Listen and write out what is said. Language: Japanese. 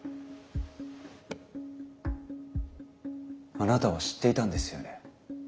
あなたは知っていたんですよね？